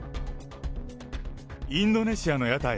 インドネシアの屋台！